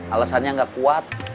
alesannya gak kuat